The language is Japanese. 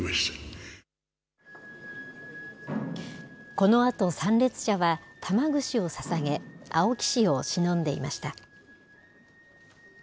このあと参列者は玉串をささげ、青木氏をしのんでいました。